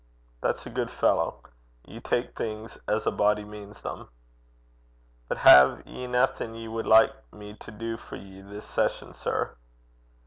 'That's a good fellow. You take things as a body means them.' 'But hae ye naething ye wad like me to do for ye this session, sir?'